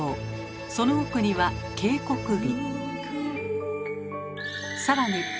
その奥には渓谷美。